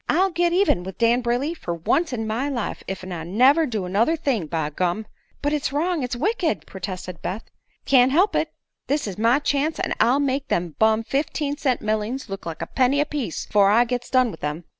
"I'll git even with Dan Brayley fer once in my life, ef I never do another thing, by gum!" "But it's wrong it's wicked!" protested Beth. "Can't help it; this is my chance, an' I'll make them bum fifteen cent mellings look like a penny a piece afore I gits done with 'em."